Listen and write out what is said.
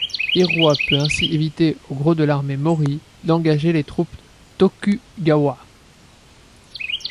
Hiroie peut ainsi éviter au gros de l'armée Mōri d'engager les troupes Tokugawa.